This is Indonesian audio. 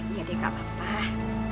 ini adek kak bapak